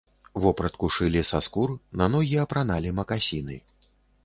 Вопратку шылі са скур, на ногі апраналі макасіны.